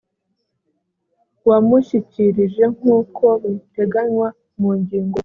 wamushyikirije nk uko biteganywa mu ngingo ya